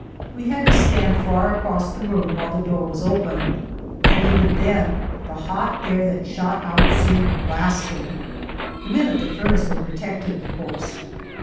We had to stand far across the room while the door was open, and even then the hot air that shot out seemed blasting. The men at the furnace were protected, of course.